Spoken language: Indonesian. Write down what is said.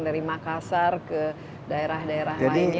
dari makassar ke daerah daerah lainnya